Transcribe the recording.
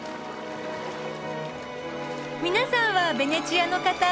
皆さんはベネチアの方？